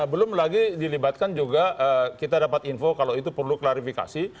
belum lagi dilibatkan juga kita dapat info kalau itu perlu klarifikasi